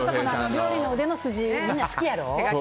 料理の腕の筋、みんな好きやろ。